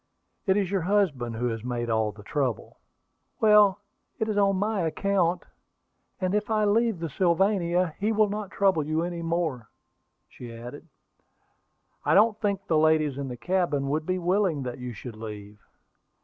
"It is your husband who has made all the trouble." "Well, it is on my account; and if I leave the Sylvania, he will not trouble you any more," she added. "I don't think the ladies in the cabin would be willing that you should leave."